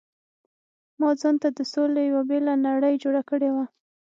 ما ځانته د سولې یو بېله نړۍ جوړه کړې وه.